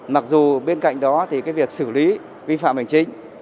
mặc dù bên cạnh đó thì cái việc xử lý vi phạm hành chính